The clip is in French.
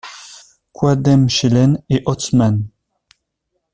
Kwaadmechelen et Oostham.